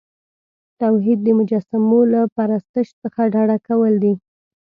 توحید د مجسمو له پرستش څخه ډډه کول دي.